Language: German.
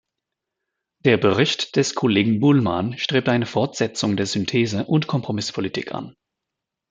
Der Bericht des Kollegen Bullmann strebt eine Fortsetzung der Synthese- und Kompromisspolitik an.